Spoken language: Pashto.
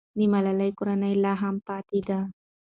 د ملالۍ کورنۍ لا هم پاتې ده.